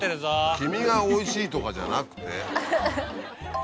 君がおいしいとかじゃなくて。